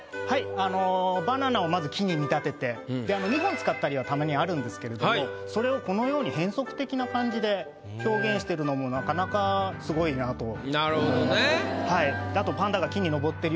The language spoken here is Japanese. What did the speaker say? あのまず２本使ったりはたまにあるんですけれどもそれをこのように変則的な感じで表現してるのもなかなかすごいなと思います。